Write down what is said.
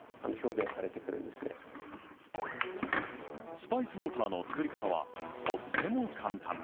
スパイスウォーターの作り方はとっても簡単。